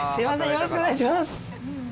よろしくお願いします。